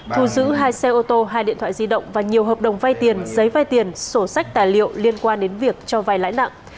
thu giữ hai xe ô tô hai điện thoại di động và nhiều hợp đồng vay tiền giấy vai tiền sổ sách tài liệu liên quan đến việc cho vai lãi nặng